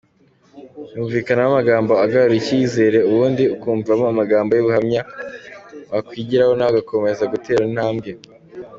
Yumvikanamo amagambo agarura icyizere ubundi ukumvamo amagambo y’ubuhamya wakwigiraho nawe ugakomeza gutera intambwe.